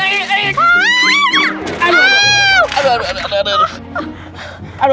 aduh aduh aduh aduh aduh